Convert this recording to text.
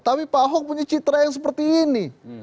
tapi pak ahok punya citra yang seperti ini